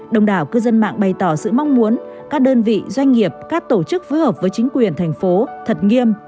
đồng đảo cư dân mạng bày tỏ sự mong muốn các đơn vị doanh nghiệp các tổ chức phối hợp với chính quyền thành phố thật nghiêm